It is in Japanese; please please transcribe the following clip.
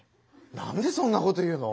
何でそんなこと言うの？